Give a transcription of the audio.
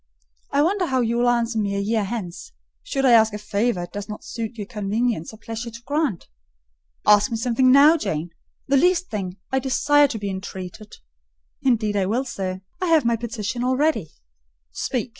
I wonder how you will answer me a year hence, should I ask a favour it does not suit your convenience or pleasure to grant." "Ask me something now, Janet,—the least thing: I desire to be entreated—" "Indeed I will, sir; I have my petition all ready." "Speak!